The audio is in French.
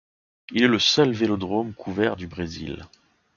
Il est le seul vélodrome couvert du Brésil.